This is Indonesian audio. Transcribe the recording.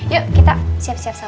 yuk kita siap siap saja